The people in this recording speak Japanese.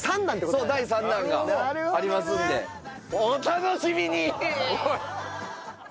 そう第３弾がありますんでお楽しみにー！